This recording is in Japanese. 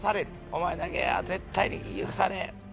「お前だけは絶対に許さねぇー！」